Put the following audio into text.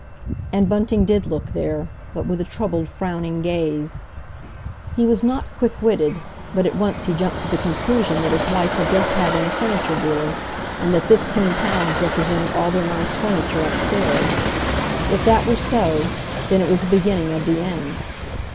And Bunting did look there, but with a troubled, frowning gaze. He was not quick witted, but at once he jumped to the conclusion that his wife had just had in a furniture dealer, and that this ten pounds represented all their nice furniture upstairs. If that were so, then it was the beginning of the end.